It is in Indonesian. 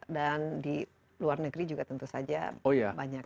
dan di luar negeri juga tentu saja banyak ya